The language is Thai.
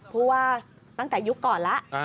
พูดว่าตั้งแต่ยุคก่อนแล้ว